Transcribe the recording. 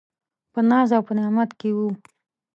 په ناز او په نعمت کي و .